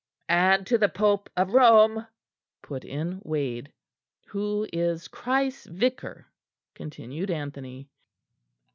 "And to the Pope of Rome," put in Wade. "Who is Christ's Vicar," continued Anthony.